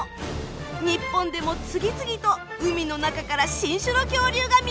日本でも次々と海の中から新種の恐竜が見つかっています。